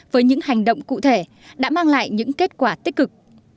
với những hành động cụ thể đã mang lại những kết quả tích cực